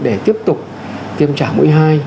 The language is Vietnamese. để tiếp tục tiêm trả mũi hai